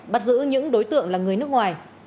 bắt giữ những đối tượng là người nước ngoài